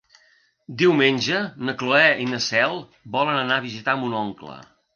Diumenge na Cloè i na Cel volen anar a visitar mon oncle.